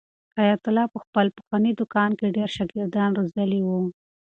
حیات الله په خپل پخواني دوکان کې ډېر شاګردان روزلي وو.